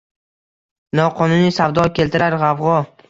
Noqonuniy savdo – keltirar g‘avg‘o